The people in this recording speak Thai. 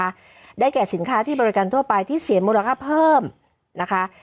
ได้แก่สินค้าที่บริการทั่วไปที่เสียมูลค่าเพิ่มนะคะ